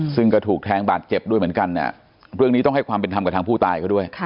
ซึ่งก็ถูกแทงบาดเจ็บด้วยเหมือนกันเนี่ยเรื่องนี้ต้องให้ความเป็นธรรมกับทางผู้ตายเขาด้วย